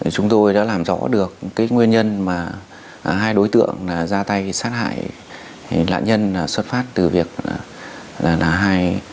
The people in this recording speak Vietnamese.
chúng tôi đã làm rõ được cái nguyên nhân mà hai đối tượng ra tay sát hại nạn nhân là xuất phát từ việc là